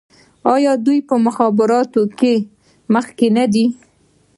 آیا دوی په مخابراتو کې مخکې نه دي؟